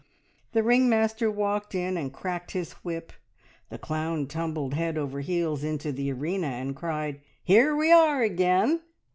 The ring master walked in and cracked his whip; the clown tumbled head over heels into the arena, and cried, "Here we are again!"